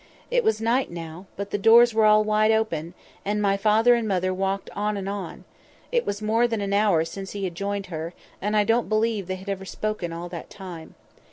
It was night now; but the doors were all wide open, and my father and mother walked on and on; it was more than an hour since he had joined her, and I don't believe they had ever spoken all that time.